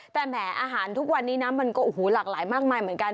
แต่แหมอาหารทุกวันนี้นะมันก็โอ้โหหลากหลายมากมายเหมือนกัน